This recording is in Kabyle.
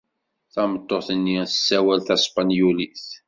Tameṭṭut-nni tessawal taspenyulit.